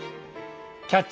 「キャッチ！